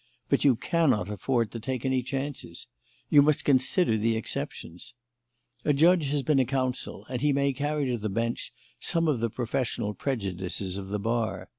But you cannot afford to take any chances. You must consider the exceptions. A judge has been a counsel, and he may carry to the bench some of the professional prejudices of the bar.